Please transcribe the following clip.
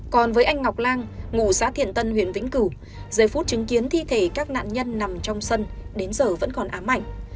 còn với anh ngọc lan ngụ xã thiện tân huyện vĩnh cửu giây phút chứng kiến thi thể các nạn nhân nằm trong sân đến giờ vẫn còn ám ảnh